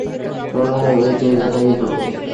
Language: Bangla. মনে হয় ঐ জায়গাটাই হবে।